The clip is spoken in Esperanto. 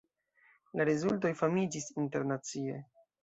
La rezultoj famiĝis internacie.